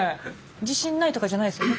自信ないとかじゃないですよね？